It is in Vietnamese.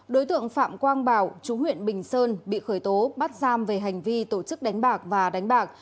đối tượng phạm quang bảo chú huyện bình sơn bị khởi tố bắt giam về hành vi tổ chức đánh bạc và đánh bạc